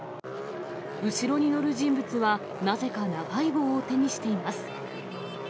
後ろに乗る人物は、なぜか長い棒を手にしています。